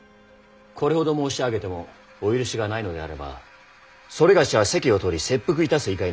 これほど申し上げてもお許しがないのであれば某は責を取り切腹いたす以外にございませぬ。